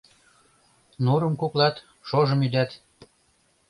Нурым куклат, шожым удат.